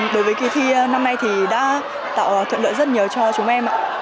đối với ký thi năm nay thì đã tạo thuận lợi rất nhiều cho chúng em